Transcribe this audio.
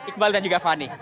kembali ke anda fadhin